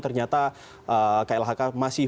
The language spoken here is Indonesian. ternyata klhk masih